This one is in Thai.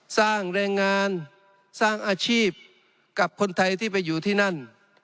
สร้างแรงงานสร้างอาชีพกับคนไทยที่ไปอยู่ที่นั่น